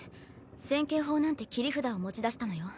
千景砲なんて切り札を持ち出したのよ。